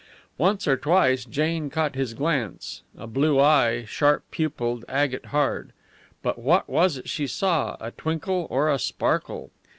Once or twice Jane caught his glance a blue eye, sharp pupiled, agate hard. But what was it she saw a twinkle or a sparkle?